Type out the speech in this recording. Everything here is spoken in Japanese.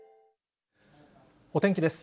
お天気です。